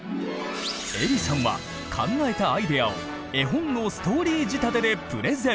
えりさんは考えたアイデアを絵本のストーリー仕立てでプレゼン。